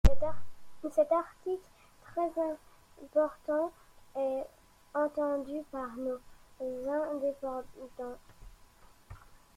Cet article très important est attendu par nos indépendants.